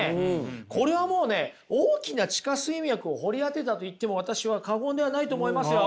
これはもうね大きな地下水脈を掘り当てたと言っても私は過言ではないと思いますよ。